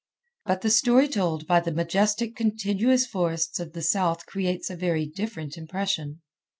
But the story told by the majestic continuous forests of the south creates a very different impression.